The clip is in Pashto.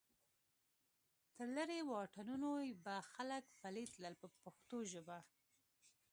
تر لرې واټنونو به خلک پلی تلل په پښتو ژبه.